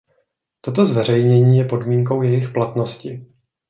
Toto zveřejnění je podmínkou jejich platnosti.